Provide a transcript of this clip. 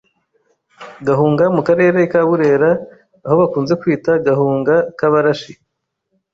Gahunga mu Karere ka Burera aho bakunze kwita “Gahunga k’Abarashi”.